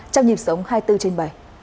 trong nhịp sống hai mươi bốn trên bảy